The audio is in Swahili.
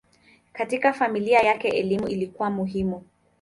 Katika familia yake elimu ilikuwa muhimu.